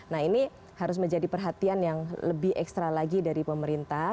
nah ini harus menjadi perhatian yang lebih ekstra lagi dari pemerintah